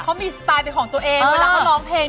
เขามีสไตล์เป็นของตัวเอง